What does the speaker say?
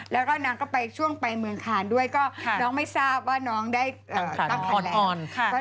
แล้วก็นางก็ไปช่วงไปเมืองคานด้วยก็น้องไม่ทราบว่าน้องได้ตั้งท้องอ่อน